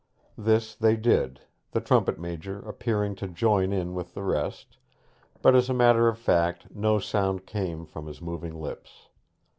This they did, the trumpet major appearing to join in with the rest; but as a matter of fact no sound came from his moving lips.